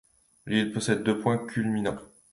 L’île possède deux points culminants.